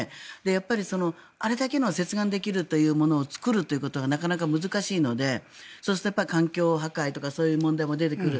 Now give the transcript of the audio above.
やはりあれだけの接岸できるものを作るというのがなかなか難しいのでそうすると環境破壊とかそういう問題も出てくる。